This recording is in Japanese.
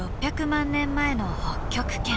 ６，６００万年前の北極圏。